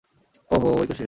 ওহ, ওহ, ঐ তো সে।